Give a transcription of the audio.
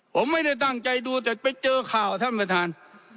ผมไม่ได้ตั้งใจดูแต่ไปเจอข่าวท่านประธาน